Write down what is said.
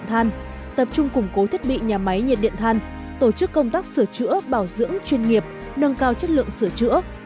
tập trung củng cố thiết bị nhà máy nhiệt điện than tổ chức công tác sửa chữa bảo dưỡng chuyên nghiệp nâng cao chất lượng sửa chữa